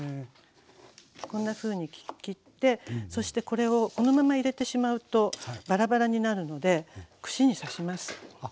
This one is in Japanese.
こんなふうに切ってそしてこれをこのまま入れてしまうとバラバラになるので串に刺します。